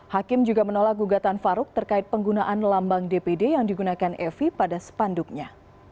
hakim juga menolak gugatan farouk terkait penggunaan lambang dpd yang digunakan evi pada spanduknya